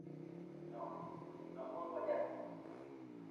¡ No, no os vayáis!